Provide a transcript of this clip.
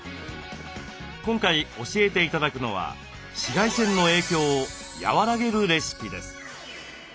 今回教えて頂くのは紫外線の影響を和らげるレシピです。